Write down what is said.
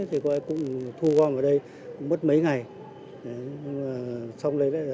thì có ai cũng thu gom vào đây mất mấy ngày